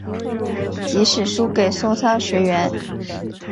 即使输给松商学园。